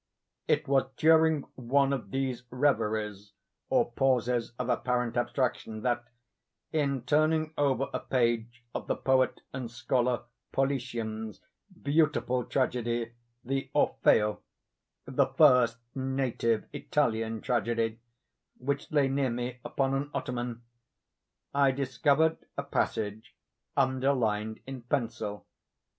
It was during one of these reveries or pauses of apparent abstraction, that, in turning over a page of the poet and scholar Politian's beautiful tragedy "The Orfeo," (the first native Italian tragedy,) which lay near me upon an ottoman, I discovered a passage underlined in pencil.